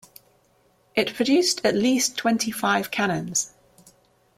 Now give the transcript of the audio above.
It produced at least twenty-five canons.